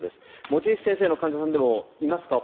望月先生の患者さんでもいますか？